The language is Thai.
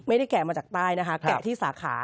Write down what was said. แกะมาจากใต้นะคะแกะที่สาขา